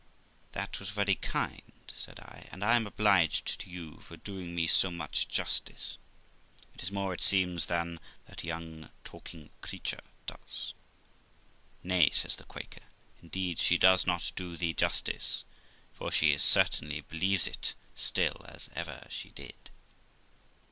'That was very kind' said I; and I am obliged to you for doing me so much justice; it is more, it seems, than that young talking creature does.' 'Nay', says the Quaker; 'indeed she does not do thee justice ; for she as certainly believes it still as ever she did.'